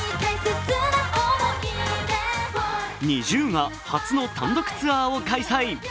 ＮｉｚｉＵが初の単独ツアーを開催。